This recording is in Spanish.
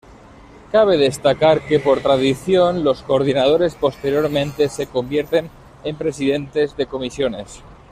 Cabe destacar que por tradición los coordinadores posteriormente se convierten en presidentes de comisiones.